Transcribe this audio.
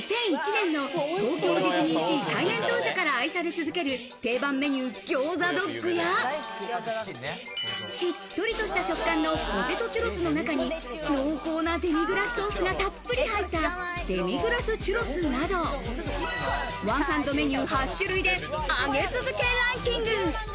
２００１年の東京ディズニーシー開園当初から愛され続ける定番メニュー、ギョウザドッグやしっとりとした食感のポテトチュロスの中に濃厚なデミグラスソースがたっぷり入ったデミグラス・チュロスなど、ワンハンドメニュー８種類で上げ続けランキング。